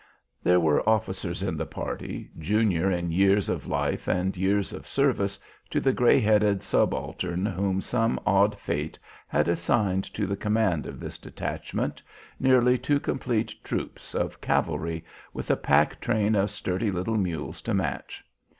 There were officers in the party, junior in years of life and years of service to the gray headed subaltern whom some odd fate had assigned to the command of this detachment, nearly two complete "troops" of cavalry with a pack train of sturdy little mules to match.